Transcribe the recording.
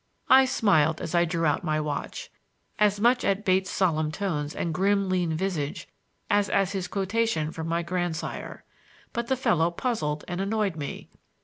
I smiled as I drew out my watch,—as much at Bates' solemn tones and grim lean visage as at his quotation from my grandsire. But the fellow puzzled and annoyed me.